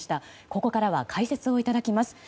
ここからは解説をいただきます。